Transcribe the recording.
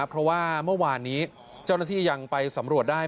เพราะว่าเมื่อวานนี้เจ้าหน้าที่ยังไปสำรวจได้